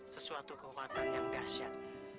sesuatu kekuatan yang dahsyat